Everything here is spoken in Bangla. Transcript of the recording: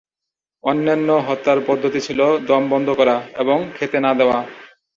অন্যান্য হত্যার পদ্ধতি ছিল দম বন্ধ করা এবং খেতে না-দেওয়া।